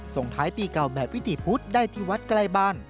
ส่งท้ายปีเก่าแบบวิถีพุธได้ที่วัดใกล้บ้าน